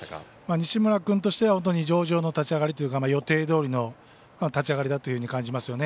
西村君としては本当に上々の立ち上がりというか予定どおりの立ち上がりだというふうに感じますよね。